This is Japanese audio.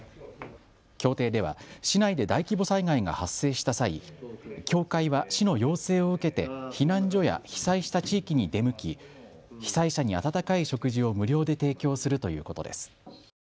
協定では市内で大規模災害が発生した際、協会は市の要請を受けて避難所や被災した地域に出向き被災者に温かい食事を無料で提供するということです。